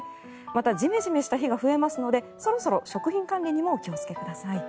また、ジメジメした日が増えますのでそろそろ食品管理にもお気をつけください。